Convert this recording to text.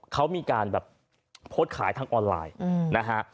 เขามีการแบบโพสต์ขายทางออนไลน์นะฮะ